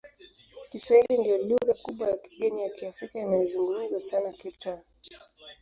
Kiswahili ndiyo lugha kubwa ya kigeni ya Kiafrika inayozungumzwa sana Cape Town.